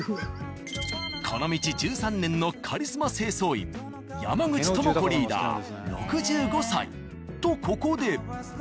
この道１３年のカリスマ清掃員山口友子リーダー６５歳。とここで。